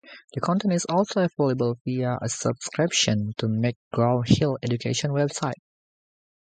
The content is also available via a subscription to McGraw-Hill Education's website.